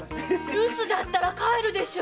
留守だったら帰るでしょ